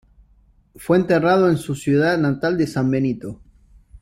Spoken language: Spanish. Fue enterrado en su ciudad natal de San Benito.